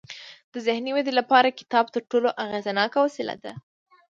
د ذهني ودې لپاره کتاب تر ټولو اغیزناک وسیله ده.